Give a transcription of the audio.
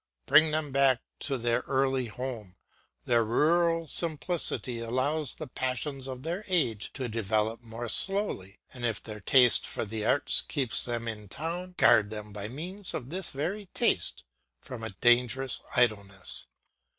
Bring them back to their early home, where rural simplicity allows the passions of their age to develop more slowly; or if their taste for the arts keeps them in town, guard them by means of this very taste from a dangerous idleness.